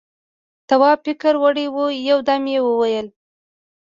تواب فکر يووړ، يو دم يې وويل: